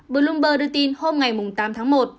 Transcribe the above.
bloomberg đưa tin hôm ngày tám tháng một